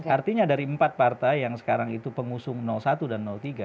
artinya dari empat partai yang sekarang itu pengusung satu dan tiga